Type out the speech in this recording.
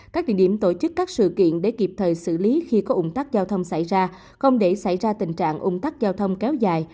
các địa điểm tổ chức các sự kiện để kịp thời xử lý khi có ủng tắc giao thông xảy ra không để xảy ra tình trạng ung tắc giao thông kéo dài